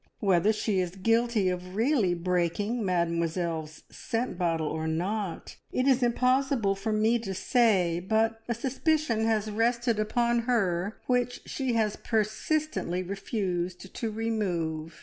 Whether she is guilty of really breaking Mademoiselle's scent bottle or not, it is impossible for me to say, but a suspicion has rested upon her which she has persistently refused to remove.